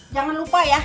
jangan lupa ya